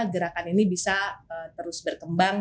gerakan ini bisa terus berkembang